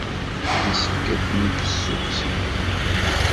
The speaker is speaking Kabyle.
Yessefk ad ten-id-tessukksem.